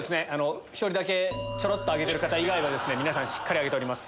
１人ちょろっと挙げてる方以外は皆さんしっかり挙げております。